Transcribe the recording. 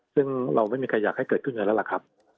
ซึ่งเราไม่มีใครอยากให้เกิดขึ้นอย่างไรครับ